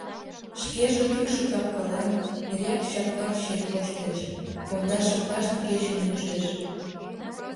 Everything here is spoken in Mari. Шкеже кӱкшӧ кап-кылан, эреак чаткан чиен коштеш, пондашым кажне кечын нӱжеш.